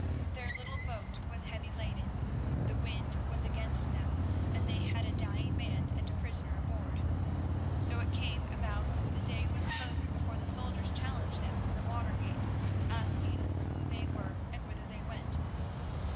Their little boat was heavy laden, the wind was against them, and they had a dying man and a prisoner aboard. So it came about that the day was closing before the soldiers challenged them from the watergate, asking who they were and whither they went.